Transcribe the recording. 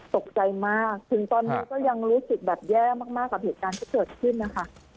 ตกใจมากถึงตอนนี้ก็ยังรู้สึกแบบแย่มากกับเหตุการณ์ที่เกิดขึ้นนะคะ